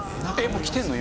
もう来てるの？